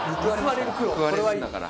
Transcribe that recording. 報われるんだから。